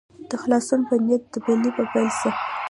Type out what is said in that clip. د خلاصون په نیت دبلي په پیل سه.